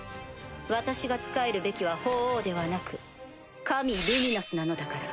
私が仕えるべきは法皇ではなく神ルミナスなのだから。